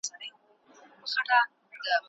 هغه وویل صنعت د سپکو خوړو په چټکۍ وده کړې ده.